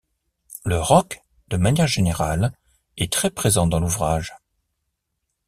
Le rock, de manière générale, est très présent dans l'ouvrage.